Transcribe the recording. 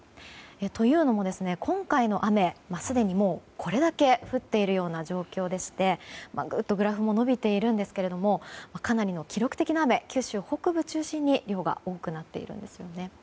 というのも今回の雨すでにもうこれだけ降っているような状況でしてぐっとグラフも伸びていますがかなりの記録的な雨九州北部中心に量が多くなっているんです。